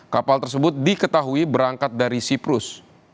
kapal tersebut diketahui berangkat dari siprus